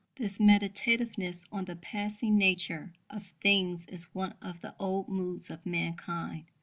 This meditativeness on the passing nature of things is one of the old moods of mankind.